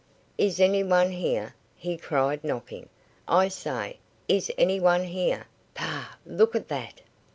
"Is any one here?" he cried, knocking. "I say! Is any one here? Pah! Look at that!"